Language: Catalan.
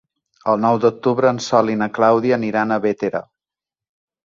El nou d'octubre en Sol i na Clàudia aniran a Bétera.